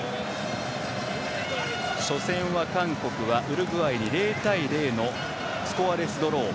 初戦は韓国はウルグアイに０対０のスコアレスドロー。